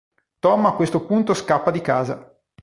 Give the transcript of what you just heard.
Tom a questo punto scappa di casa.